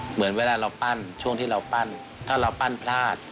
เหมือนเวลาเราปั้นช่วงที่เราปั้นถ้าเราปั้นพลาด